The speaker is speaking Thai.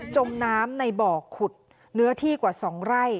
จมน้ำในบ่อขุดเนื้อที่กว่า๒ไร่